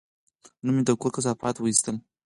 نن مې د کور کثافات وایستل.